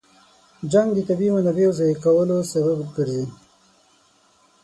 جنګ د طبیعي منابعو ضایع کولو سبب ګرځي.